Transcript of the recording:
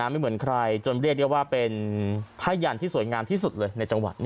ไม่เหมือนใครจนเรียกได้ว่าเป็นผ้ายันที่สวยงามที่สุดเลยในจังหวัด